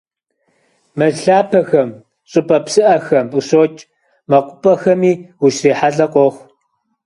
Мэз лъапэхэм, щӏыпӏэ псыӏэхэм къыщокӏ, мэкъупӏэхэми ущрихьэлӏэ къохъу.